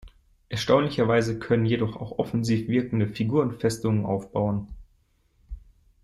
Erstaunlicherweise können jedoch auch offensiv wirkende Figuren Festungen aufbauen.